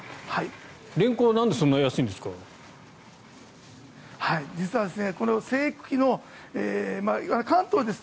レンコンはなんでそんなに安いんですか？